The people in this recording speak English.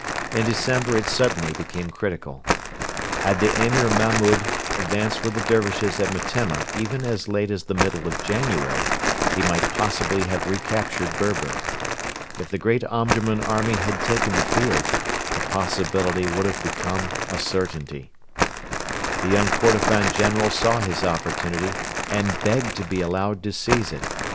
In December it suddenly became critical. Had the Emir Mahmud advanced with the Dervishes at Metemma even as late as the middle of January, he might possibly have re captured Berber. If the great Omdurman army had taken the field, the possibility would have become a certainty. The young Kordofan general saw his opportunity, and begged to be allowed to seize it.